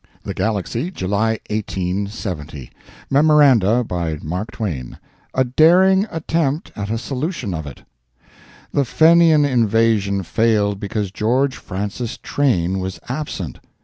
THE GALAXY, July 1870 MEMORANDA BY MARK TWAIN A DARING ATTEMPT AT A SOLUTION OF IT. The Fenian invasion failed because George Francis Train was absent.